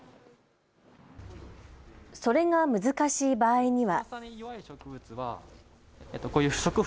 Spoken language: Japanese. それが難しい場合には。